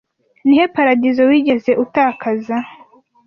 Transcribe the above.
nihe paradizo wigeze utakaza